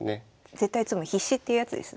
絶対詰む必至っていうやつですね。